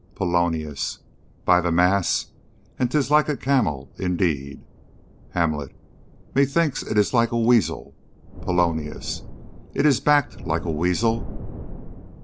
Polonius. By the mass, and 'tis like a camel indeed. Hamlet. Methinks it is like a weasel. Polonius. It is back'd like a weasel.